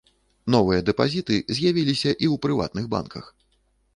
Новыя дэпазіты з'явіліся і ў прыватных банках.